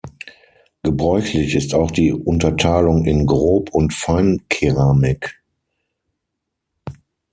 Gebräuchlich ist auch die Unterteilung in "Grob-" und "Feinkeramik".